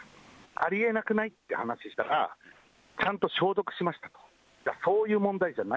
ありえなくない？って話したら、ちゃんと消毒しましたと。